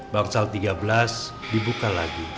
bangsal tiga belas dibuka lagi